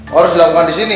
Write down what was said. harus dilakukan di sini